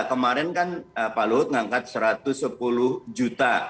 kemarin kan pak luhut mengangkat satu ratus sepuluh juta